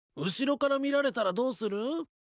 後ろから見られたらどうする？